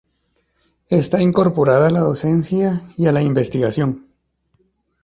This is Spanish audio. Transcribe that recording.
Está incorporada a la docencia y a la investigación.